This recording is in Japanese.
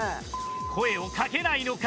声をかけないのか？